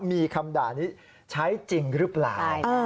มีคำด่านี้ใช้จริงหรือเปล่า